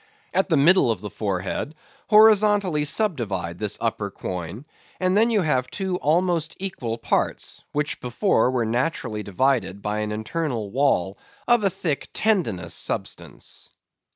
At the middle of the forehead horizontally subdivide this upper quoin, and then you have two almost equal parts, which before were naturally divided by an internal wall of a thick tendinous substance.